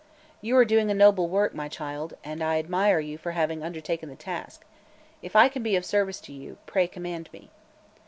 You are doing a noble work, my child, and I admire you for having undertaken the task. If I can be of service to you, pray command me."